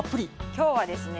今日はですね